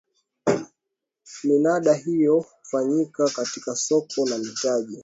minada hiyo hufanyika katika soko la mitaji